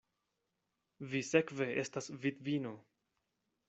Vi sekve estas vidvino!